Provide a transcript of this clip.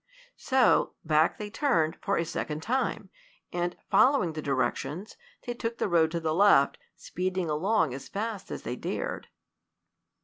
So back they turned for the second time, and, following the directions, they took the road to the left, speeding along as fast as they dared.